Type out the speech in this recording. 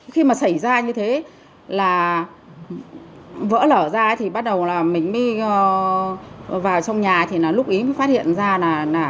khi mà xảy ra như thế là vỡ lở ra thì bắt đầu là mình mới vào trong nhà thì là lúc ý mới phát hiện ra là